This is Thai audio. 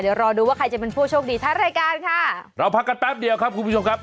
เดี๋ยวรอดูว่าใครจะเป็นผู้โชคดีท้ายรายการค่ะเราพักกันแป๊บเดียวครับคุณผู้ชมครับ